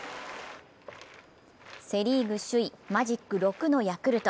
セ・リーグ首位・マジック６のヤクルト。